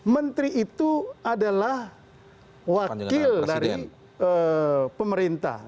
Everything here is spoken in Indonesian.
menteri itu adalah wakil dari pemerintah